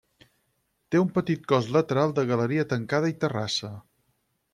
Té un petit cos lateral de galeria tancada i terrassa.